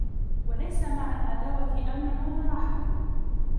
وَلَيْسَ مَعَ الْعَدَاوَةِ أَمْنٌ وَلَا رَاحَةٌ